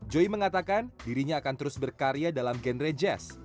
joy mengatakan dirinya akan terus berkarya dalam genre jazz